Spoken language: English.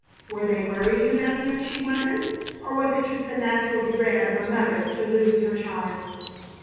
Were they worrying about him, she wondered, or was it just the natural dread of a mother to lose her child?